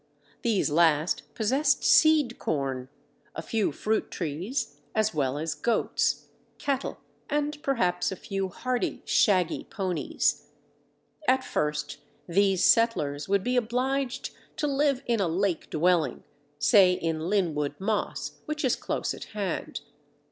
These last possessed seed corn, a few fruit trees as well as goats, cattle, and perhaps a few hardy, shaggy ponies. At first these settlers would be obliged to live in a lake dwelling, say in Linwood Moss, which is close at hand.